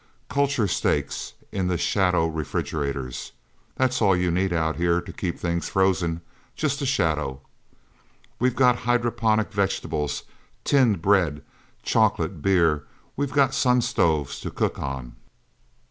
Culture steak in the shadow refrigerators. That's all you need, Out Here, to keep things frozen just a shadow... We've got hydroponic vegetables, tinned bread, chocolate, beer. We've got sun stoves to cook on.